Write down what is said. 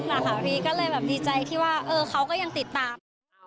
ก็มันหลัก๑๐๒๐ปีหลังขึ้นก็เลยดีใจว่าเขาก็ยังติดตาม